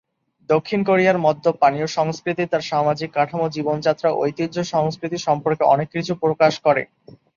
দক্ষিণ কোরিয়ার মদ্যপ-পানীয় সংস্কৃতি তার সামাজিক কাঠামো, জীবনধারা, ঐতিহ্য, সংস্কৃতি সম্পর্কে অনেক কিছু প্রকাশ করে।